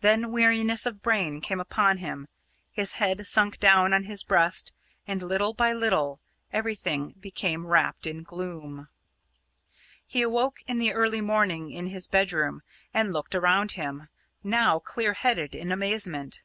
Then weariness of brain came upon him; his head sank down on his breast, and little by little everything became wrapped in gloom. He awoke in the early morning in his bedroom, and looked around him, now clear headed, in amazement.